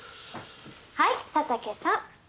はい佐竹さん。